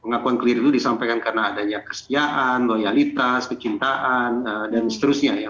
pengakuan keliru disampaikan karena adanya kesejaan loyalitas kecintaan dan seterusnya